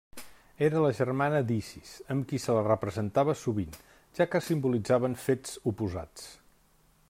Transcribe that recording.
Era la germana d'Isis, amb qui se la representava sovint, ja que simbolitzaven fets oposats.